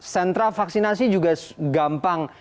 sentra vaksinasi juga gampang